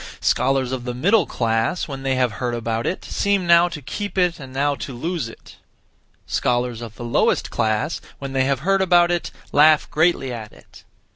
Scholars of the middle class, when they have heard about it, seem now to keep it and now to lose it. Scholars of the lowest class, when they have heard about it, laugh greatly at it.